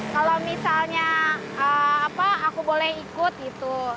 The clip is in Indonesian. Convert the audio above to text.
kalau misalnya aku boleh ikut gitu